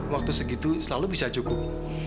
waktu segitu selalu bisa cukup